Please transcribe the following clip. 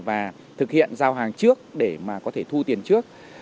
và thực hiện giao hàng trước để mà có thể thu tiền trước